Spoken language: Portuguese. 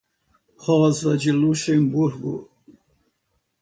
Rosa Luxemburgo